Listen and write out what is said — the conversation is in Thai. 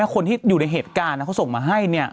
คนที่อยู่ในเหตุการณ์เขาส่งมาให้